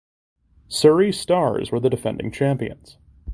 Surrey Stars were the defending champions.